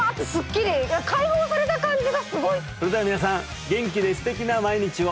それでは皆さん元気で素敵な毎日を！